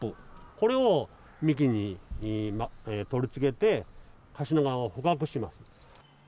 これを幹に取り付けて、カシナガを捕獲します。